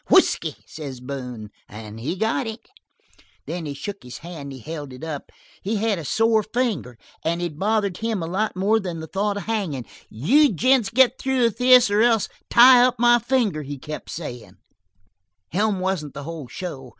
"'Whisky,' says Boone. And he got it. "Then he shook his hand and held it up. He had a sore finger and it bothered him a lot more than the thought of hangin'. "'You gents get through with this or else tie up my finger,' he kept sayin'." "Helm wasn't the whole show.